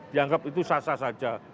dianggap itu sasa saja